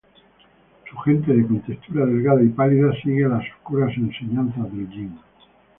Su gente de contextura delgada y pálida sigue las oscuras enseñanzas del Yin.